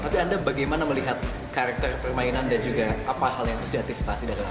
tapi anda bagaimana melihat karakter permainan dan juga apa hal yang harus diantisipasi dari anda